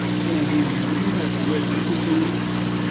现任总统文在寅反对同性婚姻。